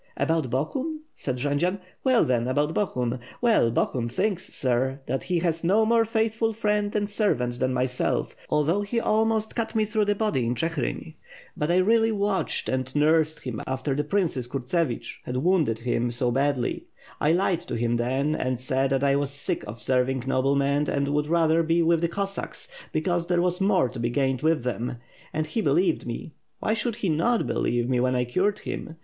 "About Bohun?" said Jendzian. "Well, then, about Bo hun. Well — Bohun thinks, sir, that he has no more faithful friend and servant than myself, although he almost cut me through the body in Chigrin. But I really watched and nursed him after the princes Kurtsevich had wounded him WITH FIRE AND SWORD. 637 so badly. I lied to him then, and said that I was sick of serving noblemen and would rather be with the Cossacks, because there was more to be gained with them; and he be lieved me. Why should he not believe me when I cured him?